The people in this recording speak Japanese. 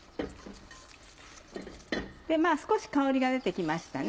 少し香りが出て来ましたね